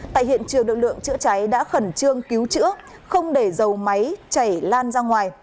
tại hiện trường lực lượng chữa cháy đã khẩn trương cứu chữa không để dầu máy chảy lan ra ngoài